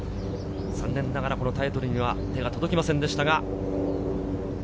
残念ながらタイトルには手が届きませんでした。